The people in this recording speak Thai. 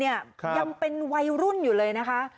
ยังเป็นวัยรุ่นอยู่เลยนะคะ